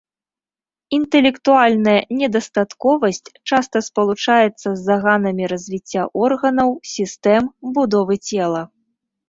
Інтэлектуальная недастатковасць часта спалучаецца з заганамі развіцця органаў, сістэм, будовы цела.